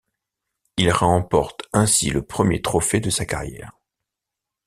Il remporte ainsi le premier trophée de sa carrière.